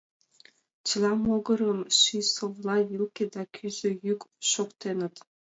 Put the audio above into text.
Чыла могырым ший совла, вилке да кӱзӧ йӱк шоктеныт.